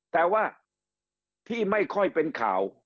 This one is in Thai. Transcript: แต่ว่าที่ไม่ค่อยเป็นข่าว